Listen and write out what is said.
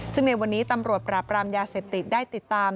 ซึ่งในวันนี้ตำรวจปราบรามยาเสพติดได้ติดตาม